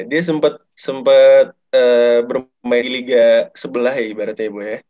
dia sempat bermain di liga sebelah ya ibaratnya bu ya